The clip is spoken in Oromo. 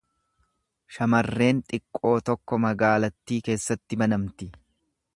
Shamarreen xiqqoo tokko magaalattii keessatti banamti.